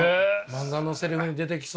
漫画のセリフに出てきそうな。